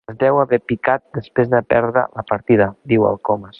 Es deu haver picat després de perdre la partida —diu el Comas.